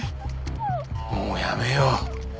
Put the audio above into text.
もうやめよう。